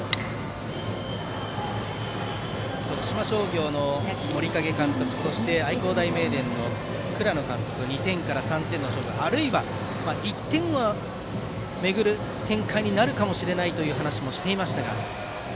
徳島商業の森影監督そして愛工大名電の倉野監督は２点から３点の勝負あるいは１点をめぐる展開になるかもしれないという話もしていましたが。